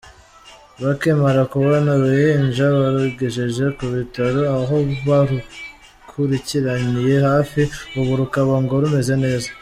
Bakimara kubona uruhinja, barugejeje ku bitaro aho barukurikiraniye hafi, ubu rukaba ngo rumeze neza.